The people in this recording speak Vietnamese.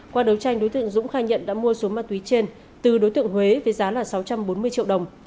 qua đấu tranh đối tượng dũng khai nhận đã mua số ma túy trên từ đối tượng huế với giá là sáu trăm bốn mươi triệu đồng